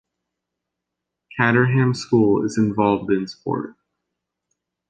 Caterham School is involved in sport.